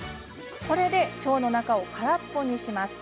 これで、腸の中を空っぽにします。